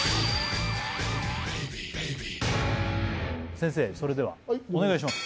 先生それではお願いします